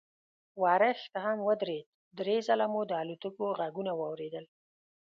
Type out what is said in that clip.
ورښت هم ودرېد، درې ځله مو د الوتکو غږونه واورېدل.